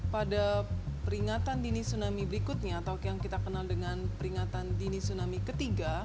pada peringatan dini tsunami berikutnya atau yang kita kenal dengan peringatan dini tsunami ketiga